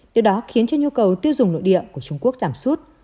điều đó khiến cho nhu cầu tiêu dùng nội địa của trung quốc giảm sút